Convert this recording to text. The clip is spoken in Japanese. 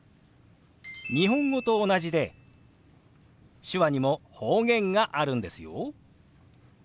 日本語と同じで手話にも方言があるんですよ。